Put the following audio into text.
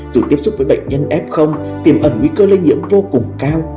dù tiếp xúc với bệnh nhân f tiềm ẩn nguy cơ lây nhiễm vô cùng cao